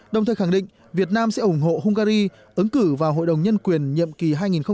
đồng thời khẳng định việt nam sẽ ủng hộ hungary ứng cử vào hội đồng nhân quyền nhiệm kỳ hai nghìn một mươi bảy hai nghìn một mươi chín